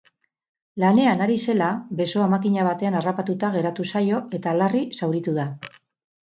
Lanean ari zela besoa makina batean harrapatuta geratu zaio eta larri zauritu da.